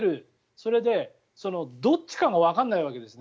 それで、どっちかがわからないわけですね。